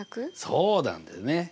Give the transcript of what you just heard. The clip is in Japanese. そうなんだよね。